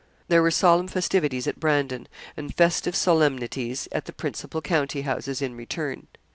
There were solemn festivities at Brandon, and festive solemnities at the principal county houses in return.